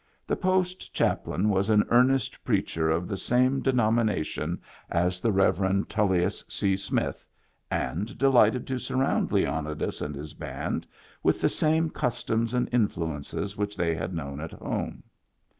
The post chaplain was an earnest preacher of the same denomination as the Rev. TuUius C. Smith, and delighted to surround Leonidas and his band with the same customs and influences which they had known at home.